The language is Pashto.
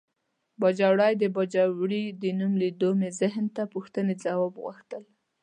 باجوړی د باجوړي د نوم په لیدو مې ذهن ته پوښتنې ځواب غوښتل.